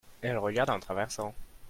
elle regarde en traversant.